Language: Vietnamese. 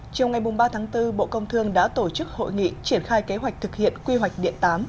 trong ngày ba tháng bốn bộ công thương đã tổ chức hội nghị triển khai kế hoạch thực hiện quy hoạch điện tám